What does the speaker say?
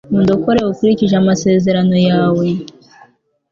undokore ukurikije amasezerano yawe